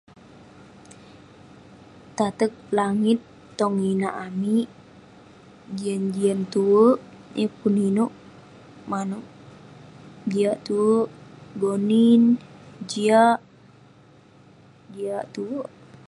Tateg langit tong inak amik, jian-jian tue. Yeng pun inouk manouk, jiak tue. Gonin, jiak. Jiak tue.